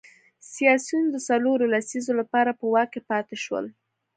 سیاسیون د څلورو لسیزو لپاره په واک کې پاتې شول.